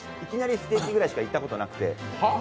ステーキぐらいしか行ったことなくて。